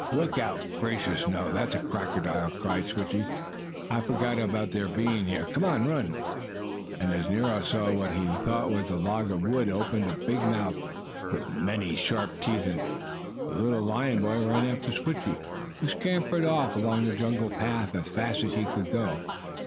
"Look out! Gracious no! That's a crocodile!" cried Switchie. "I forgot about their being here. Come on! Run!" And as Nero saw what he had thought was a log of wood open a big mouth with many sharp teeth in it, the little lion boy ran after Switchie, who scampered off along the jungle path as fast as he could go.